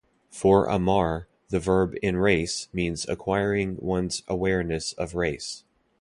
For Ahmar, the verb enrace means acquiring one's awareness of race.